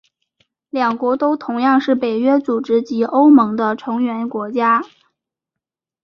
两国都同样是北约组织及欧盟的成员国家。